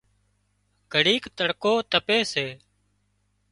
گھڙيڪ تڙڪو تپي سي